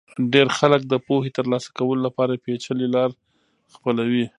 ډېر خلک د پوهې ترلاسه کولو لپاره پېچلې لار خپلوي.